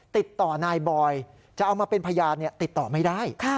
ติดต่อนายบอยจะเอามาเป็นพยานติดต่อไม่ได้